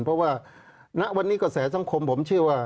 เพราะว่าณวันนี้กระแสสังคมผมเชื่อว่า